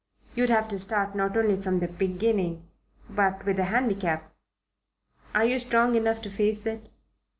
You'd have to start not only from the beginning, but with a handicap. Are you strong enough to face it?"